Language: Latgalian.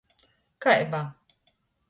Kai ba.